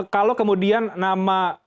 kalau kemudian nama